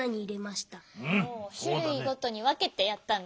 しゅるいごとにわけてやったんだね。